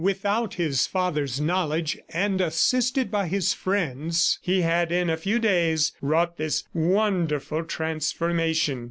Without his father's knowledge, and assisted by his friends, he had in a few days, wrought this wonderful transformation.